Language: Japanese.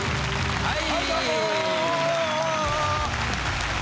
はい。